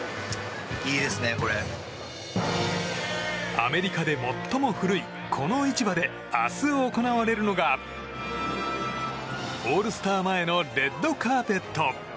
アメリカで最も古いこの市場で明日行われるのがオールスター前のレッドカーペット。